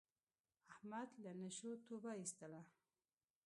احمد له نشو توبه ایستله.